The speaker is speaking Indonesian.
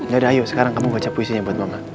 yaudah ayo sekarang kamu gocap puisinya buat mama